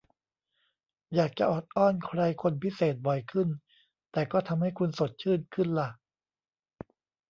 อยากจะออดอ้อนใครคนพิเศษบ่อยขึ้นแต่ก็ทำให้คุณสดชื่นขึ้นล่ะ